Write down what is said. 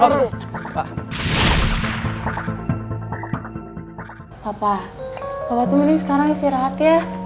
papa papa tuh mending sekarang istirahat ya